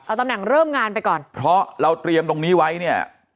เอาตำแหน่งเริ่มงานไปก่อนเพราะเราเตรียมตรงนี้ไว้เนี่ย